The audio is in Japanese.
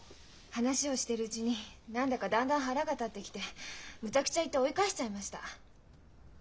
話をしているうちに何だかだんだん腹が立ってきてめちゃくちゃ言って追い返しちゃいました。